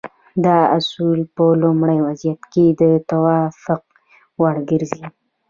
دا اصول په لومړني وضعیت کې د توافق وړ ګرځي.